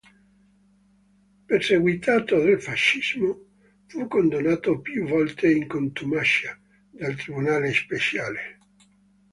Perseguitato dal fascismo, fu condannato più volte in contumacia dal Tribunale speciale.